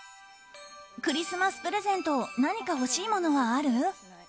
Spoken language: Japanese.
クリスマスプレゼント何か欲しいものはある？